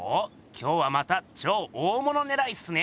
今日はまた超大物ねらいっすね。